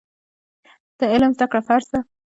د علم زده کړه فرض ده.